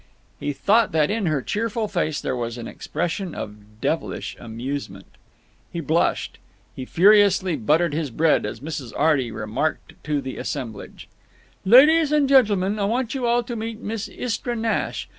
He thought that in her cheerful face there was an expression of devilish amusement. He blushed. He furiously buttered his bread as Mrs. Arty remarked to the assemblage: "Ladies and gentlemen, I want you all to meet Miss Istra Nash.